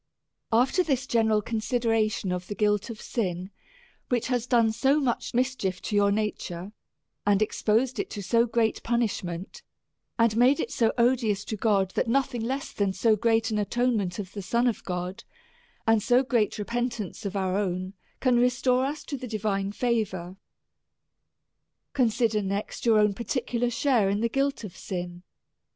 After this general consideration of the guilt of sin, which has done so much mischief to your nature, and expos ed it to so great punishment, and made it so odious to God, that nothing less than so great an atonement DEVOUT AND HOLY LIFE. 335 of the Son of God, and so great repentance of our own, can restore us to the divine favour : Consider next your own particular share in the guilt of sin.